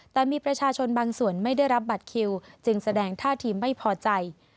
แต่มีประชาชนบางส่วนไม่ได้รับบัตรคิวจึงแสดงท่าทีไม่พอใจ